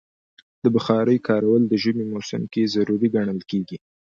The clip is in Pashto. د بخارۍ کارول د ژمي موسم کې ضروری ګڼل کېږي.